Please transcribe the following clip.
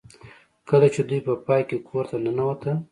کله چې دوی په پای کې کور ته ننوتل